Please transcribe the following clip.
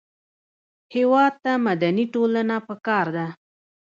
هېواد ته مدني ټولنه پکار ده